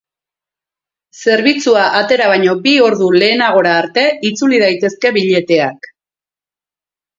Zerbitzua atera baino bi ordu lehenagora arte itzuli daitezke bileteak.